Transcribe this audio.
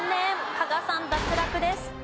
加賀さん脱落です。